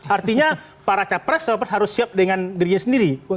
artinya para capres cawapres harus siap dengan dirinya sendiri